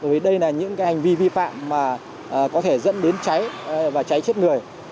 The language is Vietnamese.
vì đây là những hành vi vi phạm mà có thể dẫn đến cháy và cháy chết người